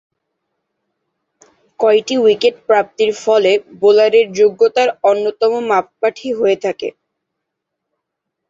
কয়েকটি উইকেট প্রাপ্তির ফলে বোলারের যোগ্যতার অন্যতম মাপকাঠি হয়ে থাকে।